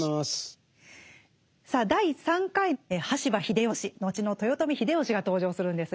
さあ第３回羽柴秀吉後の豊臣秀吉が登場するんですが。